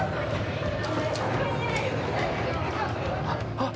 あっ！